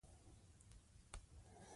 تعلیم د نجونو د رهبري وړتیاوو ته وده ورکوي.